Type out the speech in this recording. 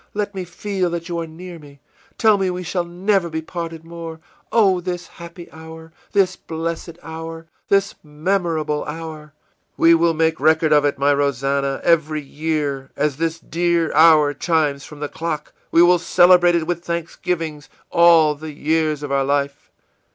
Let me feel that you are near me! Tell me we shall never be parted more! Oh, this happy hour, this blessed hour, this memorable hour!î ìWe will make record of it, my Rosannah; every year, as this dear hour chimes from the clock, we will celebrate it with thanksgivings, all the years of our life.